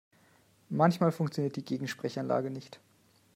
Manchmal funktioniert die Gegensprechanlage nicht.